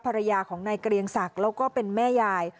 ภรรยาของนายเกรียงศักดิ์แล้วก็เป็นแม่ยาย